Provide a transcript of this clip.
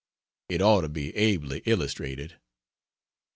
It ought to be ably illustrated.